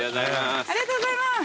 ありがとうございます。